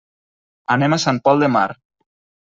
Anem a Sant Pol de Mar.